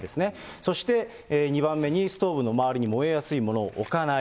そして２番目にストーブの周りに燃えやすいものを置かない。